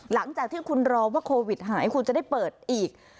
หลังจากที่คุณรอว่าโควิดหายคุณจะได้เปิดอีก